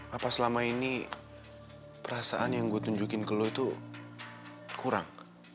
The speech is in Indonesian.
apa selama ini perasaan yang saya tunjukkan ke kamu itu kurang